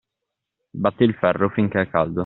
Batti il ferro finché è caldo.